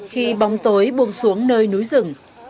khi bóng tối buông xuống nơi núi rừng